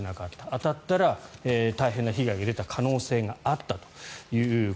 当たったら大変な被害が出た可能性があったと。